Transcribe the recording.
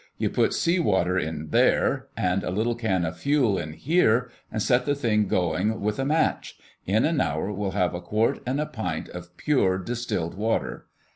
"You put seawater in there and a little can of fuel in here and set the thing going with a match. In an hour we'll have a quart and a pint of pure, distilled water.